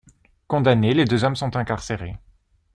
Condamnés, les deux hommes sont incarcérés.